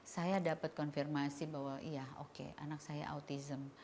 saya dapat konfirmasi bahwa iya oke anak saya autism